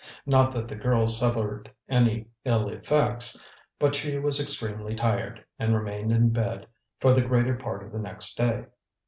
Not that the girl suffered any ill effects, but she was extremely tired, and remained in bed for the greater part of the next day.